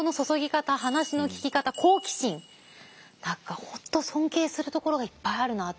何か本当尊敬するところがいっぱいあるなって思いましたね。